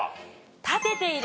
立てている。